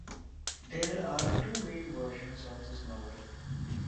There are two main versions of this novel.